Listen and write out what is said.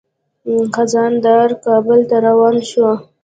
خزانه دار کابل ته روان شو.